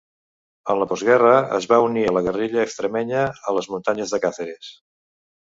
En la postguerra es va unir a la guerrilla extremenya a les muntanyes de Càceres.